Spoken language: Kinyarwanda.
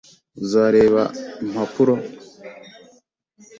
Uzareba impapuro?